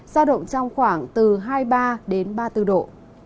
giao động trong khoảng từ hai mươi ba đến ba mươi bốn độ